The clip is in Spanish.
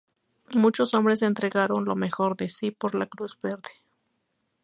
Muchos hombres entregaron lo mejor de sí por la Cruz Verde.